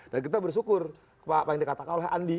dan kita bersyukur apa yang dikatakan oleh andi